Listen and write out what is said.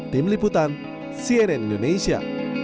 tim liputan cnn indonesia